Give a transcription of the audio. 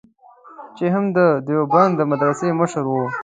چې هم د دیوبند د مدرسې مشر و.